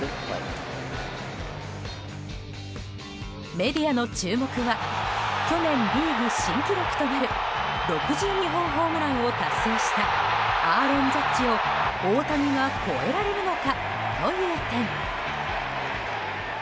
メディアの注目は去年、リーグ新記録となる６２本ホームランを達成したアーロン・ジャッジを大谷が超えられるのかという点。